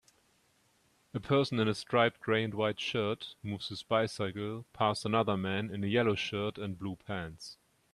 A person in a striped gray and white shirt moves his bicycle past another man in a yellow shirt and blue pants